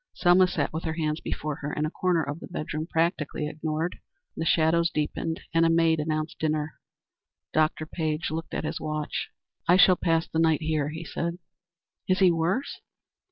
Selma sat with her hands before her in a corner of the bed room, practically ignored. The shadows deepened and a maid announced dinner. Dr. Page looked at his watch. "I shall pass the night here," he said. "Is he worse?"